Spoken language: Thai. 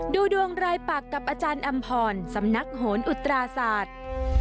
ดูดวงรายปักกับอาจารย์อำพรสำนักโหนอุตราศาสตร์